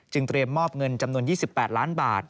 เตรียมมอบเงินจำนวน๒๘ล้านบาท